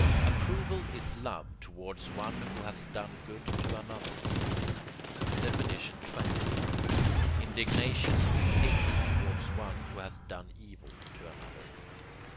Approval is love towards one who has done good to another. XX. Indignation is hatred towards one who has done evil to another.